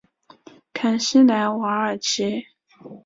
坎西莱瓦尔齐。